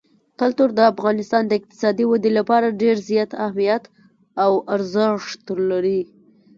کلتور د افغانستان د اقتصادي ودې لپاره ډېر زیات اهمیت او ارزښت لري.